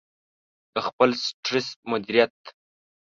-د خپل سټرس مدیریت